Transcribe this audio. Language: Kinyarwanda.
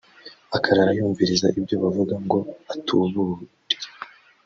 akarara yumviriza ibyo bavuga ngo atuburire